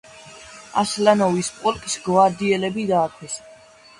ასლანოვის პოლკს გვარდიელები დაარქვეს.